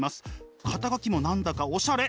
肩書も何だかおしゃれ！